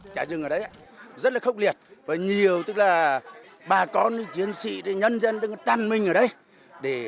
trả rừng ở đấy rất là khốc liệt và nhiều tức là bà con chiến sĩ nhân dân đang trăn mình ở đấy để chiến đấu với trạch lửa